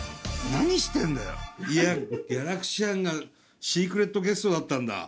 ・何してんだよ・いやギャラクシアンがシークレットゲストだったんだ。